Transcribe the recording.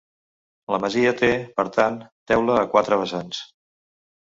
La masia té, per tant, teulada a quatre vessants.